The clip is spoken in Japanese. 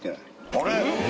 あれ？